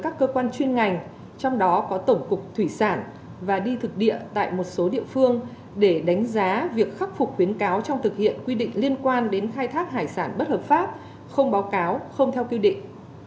các cơ quan chuyên ngành trong đó có tổng cục thủy sản và đi thực địa tại một số địa phương để đánh giá việc khắc phục khuyến cáo trong thực hiện quy định liên quan đến khai thác hải sản bất hợp pháp không báo cáo không theo quy định